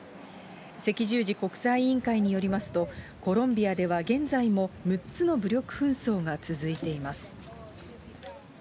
赤十字国際委員会によりますと、コロンビアでは現在も６つの武力紛争が続いています。